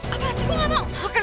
apa sih gue gak mau